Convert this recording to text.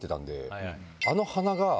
あの鼻が。